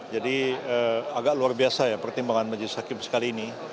jadi agak luar biasa ya pertimbangan majelis hakim sekali ini